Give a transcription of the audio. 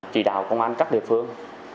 chỉ đạo công an các địa phương